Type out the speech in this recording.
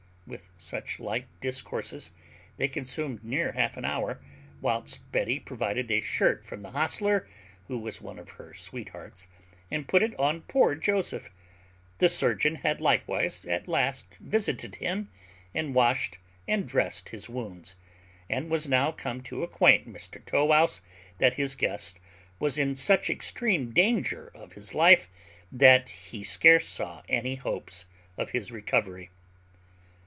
With such like discourses they consumed near half an hour, whilst Betty provided a shirt from the hostler, who was one of her sweethearts, and put it on poor Joseph. The surgeon had likewise at last visited him, and washed and drest his wounds, and was now come to acquaint Mr Tow wouse that his guest was in such extreme danger of his life, that he scarce saw any hopes of his recovery.